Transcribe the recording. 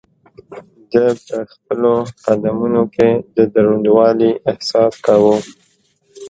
ده په خپلو قدمونو کې د دروندوالي احساس کاوه.